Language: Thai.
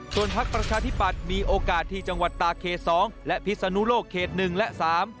ส่วนพักประชาธิบัติมีโอกาสที่จังหวัดตาเคส๒และพิสนุโลกเคส๑และ๓